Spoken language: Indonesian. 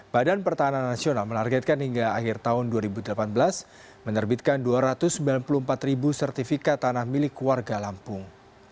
badan pertahanan nasional menargetkan hingga akhir tahun dua ribu delapan belas menerbitkan dua ratus sembilan puluh empat ribu sertifikat tanah milik warga lampung